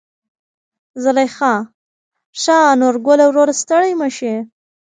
زليخا: ښا نورګله وروره ستړى مشې.